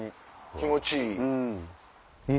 気持ちいい。